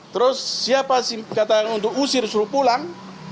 terus siapa kata untuk usir suruh pulang